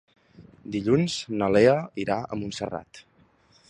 Dilluns na Lea irà a Montserrat.